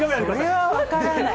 それは分からない。